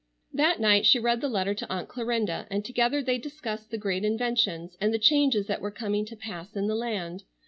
That night she read the letter to Aunt Clarinda and together they discussed the great inventions, and the changes that were coming to pass in the land.